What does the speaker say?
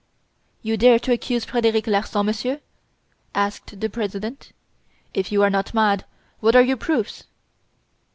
"You dare to accuse Frederic Larsan, Monsieur?" asked the President. "If you are not mad, what are your proofs?"